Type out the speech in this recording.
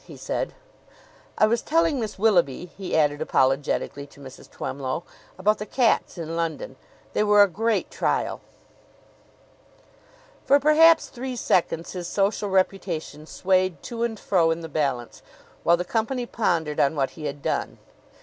he said. "I was telling Miss Willoughby," he added apologetically to Mrs. Twemlow, "about the cats in London. They were a great trial." For perhaps three seconds his social reputation swayed to and fro in the balance, while the company pondered on what he had done.